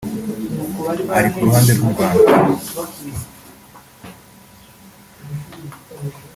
Ariko ku ruhande rw’u Rwanda